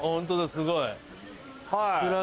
すごい。